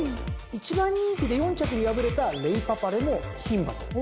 １番人気で４着に敗れたレイパパレも牝馬と。